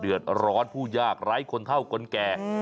เดือดร้อนผู้ยากร้ายคนเท่ากลแก